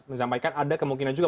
menyampaikan ada kemungkinan juga